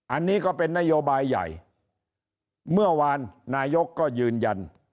อันนี้ก็เป็นนโยบายใหญ่เมื่อวานนายกก็ยืนยัน